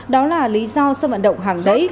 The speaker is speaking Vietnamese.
đó là lý do sân vận động hàng đẩy